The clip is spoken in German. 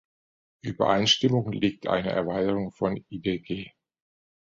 Übereinstimmung liegt eine Erweiterung von idg.